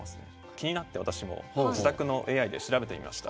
気になって私も自宅のＡＩで調べてみました。